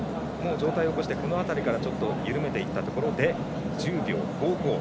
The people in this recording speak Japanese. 上体を起こして緩めていったところで１０秒５５。